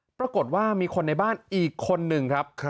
ปรากฏว่ามีคนในบ้านอีกคนนึงครับ